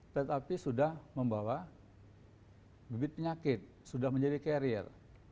tetapi sudah membawa bibit penyakit sudah menjadi carrier